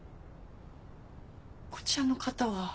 こちらの方は？